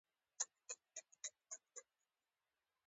د یوه پراخ اېتلاف شتون د طلسم ماتولو کې مرسته وکړي.